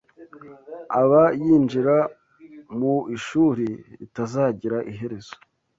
aba yinjira mu ishuri ritazagira iherezo